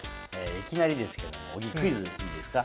いきなりですけども小木クイズいいですか？